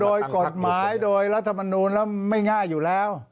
โดยกฎหมายโดยรัฐมนูลแล้วไม่ง่ายอยู่แล้ว